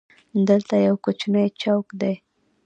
دلته یو کوچنی چوک دی.